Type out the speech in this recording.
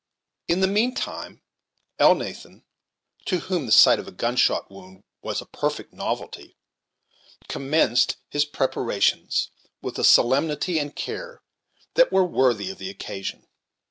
In the mean time Elnathan, to whom the sight of a gun shot wound was a perfect novelty, commenced his preparations with a solemnity and care that were worthy of the occasion.